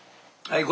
はい。